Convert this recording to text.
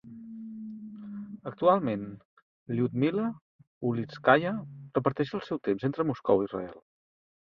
Actualment, Lyudmila Ulitskaya reparteix el seu temps entre Moscou i Israel.